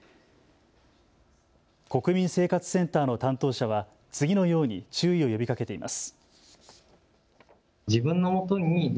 国民生活センターの担当者は、次のように注意を呼びかけています。